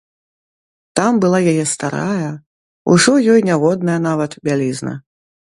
Там была яе старая, ужо ёй нягодная нават, бялізна.